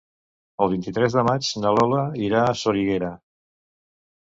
El vint-i-tres de maig na Lola irà a Soriguera.